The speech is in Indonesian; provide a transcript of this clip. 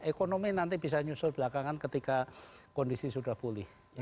ekonomi nanti bisa nyusul belakangan ketika kondisi sudah pulih